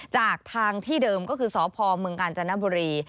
จากทางที่เดิมก็คือสพเมืองกาญจนบุรี